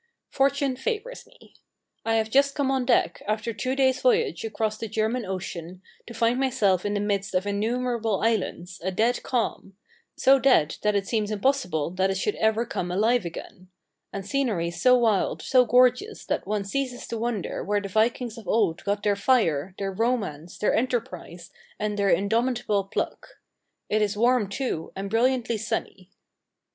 Fortune favours me. I have just come on deck, after a two days' voyage across the German Ocean, to find myself in the midst of innumerable islands, a dead calm so dead that it seems impossible that it should ever come alive again and scenery so wild, so gorgeous, that one ceases to wonder where the Vikings of old got their fire, their romance, their enterprise, and their indomitable pluck. It is warm, too, and brilliantly sunny.